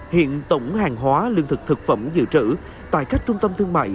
hiện tổng hàng hóa lương thực thực phẩm dự trữ tại các trung tâm thương mại